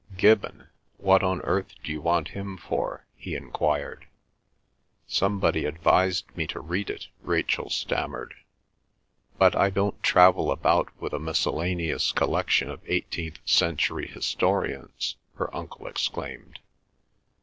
"Gibbon! What on earth d'you want him for?" he enquired. "Somebody advised me to read it," Rachel stammered. "But I don't travel about with a miscellaneous collection of eighteenth century historians!" her uncle exclaimed.